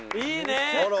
いいね。